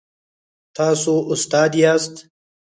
تاسو استاد یاست؟